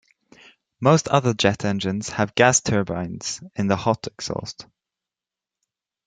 Most other jet engines have gas turbines in the hot exhaust.